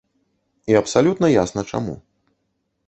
І абсалютна ясна чаму.